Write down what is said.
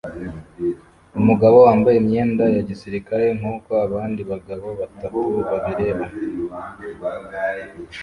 Umugabo wambaye imyenda ya gisirikare nkuko abandi bagabo batatu babireba